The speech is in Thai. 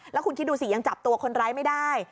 แล้วคุณคิดดูสิยังจับตัวคนร้ายไม่ได้